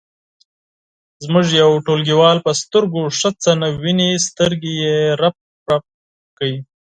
زموږ یو ټولګیوال په سترګو ښه څه نه ویني سترګې یې رپ رپ کوي.